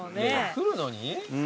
くるのに？